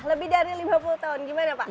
lebih dari lima puluh tahun gimana pak